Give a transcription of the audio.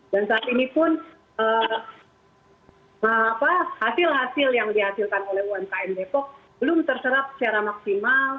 dan saat ini pun hasil hasil yang dihasilkan oleh umkm depok belum terserap secara maksimal